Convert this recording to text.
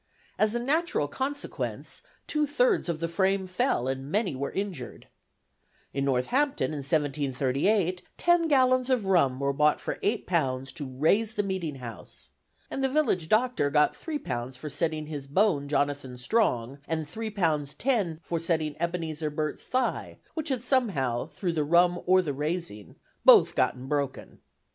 As a natural consequence, two thirds of the frame fell, and many were injured. In Northampton, in 1738, ten gallons of rum were bought for £8 'to raise the meeting house' and the village doctor got '£3 for setting his bone Jonathan Strong, and £3 10s. for setting Ebenezer Burt's thy' which had somehow through the rum or the raising, both gotten broken."